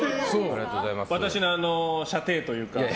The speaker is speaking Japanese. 私の舎弟というか。